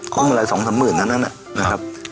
เขาก็มารัยสองสามหมื่นเท่านั้นนะครับ